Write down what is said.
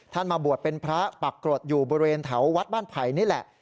มาบวชเป็นพระปรากฏอยู่บริเวณแถววัดบ้านไผ่นี่แหละ